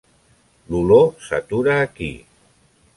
L'olor s'atura aquí.